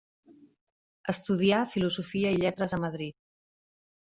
Estudià Filosofia i Lletres a Madrid.